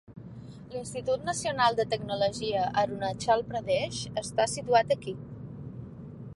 L'Institut Nacional de Tecnologia Arunachal Pradesh està situat aquí.